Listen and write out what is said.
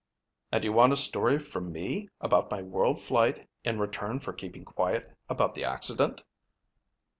"And you want a story from me about my world flight in return for keeping quiet about the accident."